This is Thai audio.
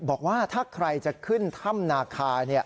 บอกว่าถ้าใครจะขึ้นถ้ำนาคา